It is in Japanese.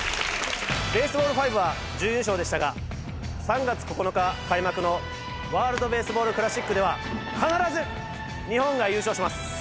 ベースボールファイブは準優勝でしたが３月９日開幕のワールドベースボールクラシックでは必ず日本が優勝します！